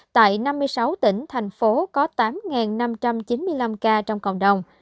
tại năm mươi sáu tỉnh thành phố có tám năm trăm chín mươi năm ca trong cộng đồng